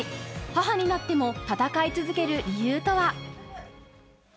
母になっても戦い続ける理由とは。